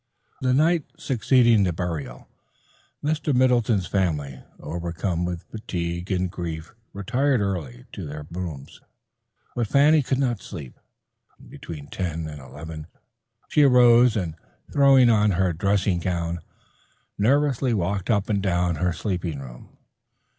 The night succeeding the burial Mr. Middleton's family, overcome with fatigue and grief, retired early to their rooms, but Fanny could not sleep, and between ten and eleven she arose and throwing on her dressing gown nervously walked up and down her sleeping room.